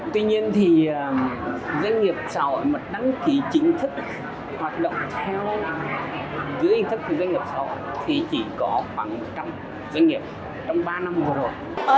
tuy nhiên thì doanh nghiệp xã hội mà đăng ký chính thức hoạt động theo dưới hình thức doanh nghiệp xã hội thì chỉ có khoảng một trăm linh doanh nghiệp trong ba năm vừa rồi